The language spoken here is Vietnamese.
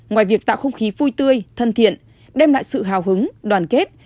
ngoài việc tạo không khí vui tươi thân thiện đem lại sự hào hứng đoàn kết